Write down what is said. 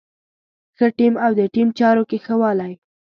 ښه ټيم او د ټيم چارو کې ښه والی.